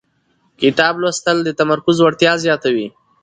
کتاب لوستل د تمرکز وړتیا زیاتوي